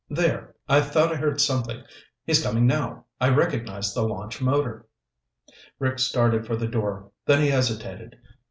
"There. I thought I heard something. He's coming now. I recognize the launch motor." Rick started for the door, then he hesitated.